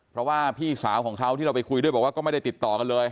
เพราะว่าพี่สาวของเขาที่เราไปคุยด้วยบอกว่าก็ไม่ได้ติดต่อกันเลย